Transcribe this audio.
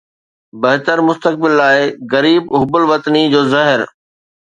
بهتر مستقبل لاءِ غريب حب الوطني جو زهر